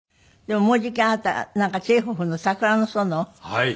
はい。